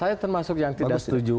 saya termasuk yang tidak setuju